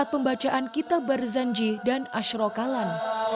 pembacaan kitab barzanji dan ashro kalan